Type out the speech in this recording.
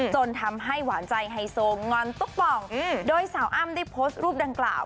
จนทำให้หวานใจไฮโซงอนตุ๊กป่องโดยสาวอ้ำได้โพสต์รูปดังกล่าว